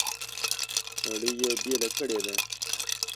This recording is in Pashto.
نړۍ یې بېله کړې ده.